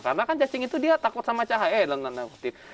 karena kan cacing itu dia takut sama cahaya dan tanah putih